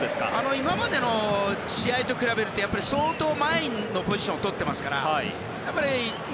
今までの試合と比べるとやっぱり、相当前にポジションをとってますから。